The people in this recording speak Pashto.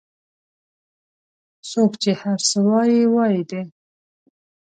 څوک چې هر څه وایي وایي دي